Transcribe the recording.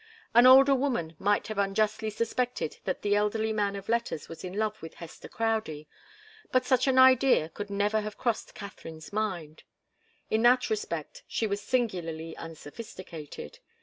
An older woman might have unjustly suspected that the elderly man of letters was in love with Hester Crowdie, but such an idea could never have crossed Katharine's mind. In that respect she was singularly unsophisticated.